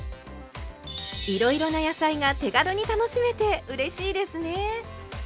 いろいろな野菜が手軽に楽しめてうれしいですね。